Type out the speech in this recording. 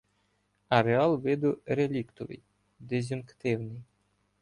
Ареал виду реліктовий, диз'юнктивний.